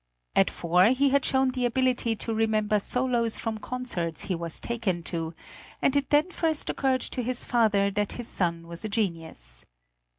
At four he had shown the ability to remember solos from concerts he was taken to, and it then first occurred to his father that his son was a genius.